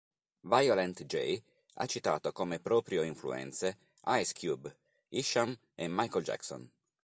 Violent J ha citato come proprio influenze Ice Cube, Esham e Michael Jackson.